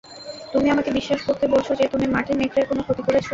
তুমি আমাকে বিশ্বাস করতে বলছো যে, তুমি মার্টিন মেক্রের কোন ক্ষতি করেছো?